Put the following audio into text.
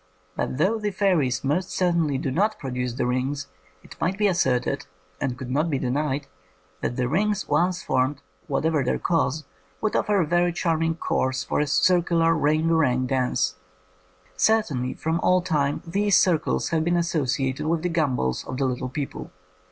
But though the fairies most certainly do not produce the rings, it might be asserted, and could not be denied, that the rings once formed, what ever their cause, would offer a very charm ing course for a circular ring a ring dance. Certainly from all time these circles have been associated with the gambols of the little people.